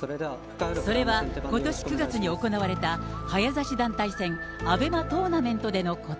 それは、ことし９月に行われた早指し団体戦、アベマトーナメントでのこと。